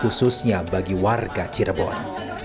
khususnya bagi warga cirebon